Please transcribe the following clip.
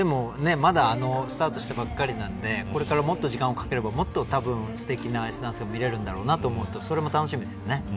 まだスタートしたばっかりなんでこれからもっと時間をかければもっとすてきなアイスダンスが見れると思うとそれも楽しみです。